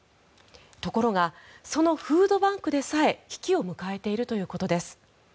ところがそのフードバンクでさえ危機を迎えているということです。